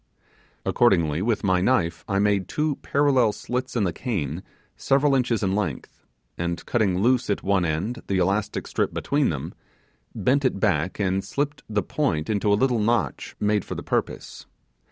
Accordingly, with my knife I made two parallel slits in the cane several inches in length, and cutting loose at one end the elastic strip between them, bent it back and slipped the point into a little notch made for the purse.